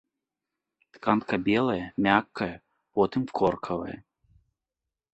Тканка белая, мяккая, потым коркавая.